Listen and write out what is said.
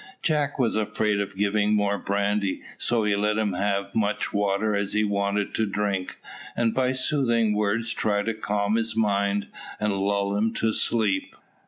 Jack was afraid of giving more brandy, so he let him have as much water as he wanted to drink; and by soothing words tried to calm his mind, and lull him to sleep.